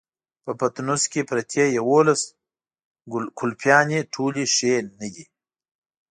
په پټنوس کې پرتې يوولس ګلپيانې ټولې ښې نه دي.